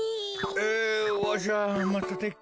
えわしゃまたてっきり。